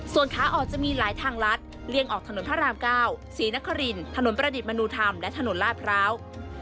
ส่วนขาออกจะมีหลายทางลัดเลี่ยงออกถนนพระราม๙ศรีนครินถนนประดิษฐ์มนุธรรมและถนนลาดพร้าว